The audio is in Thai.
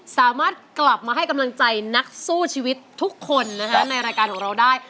สามารถกลับมาให้กำลังใจนักสู้ชีวิตทุกคนนะฮะในรายการของเราได้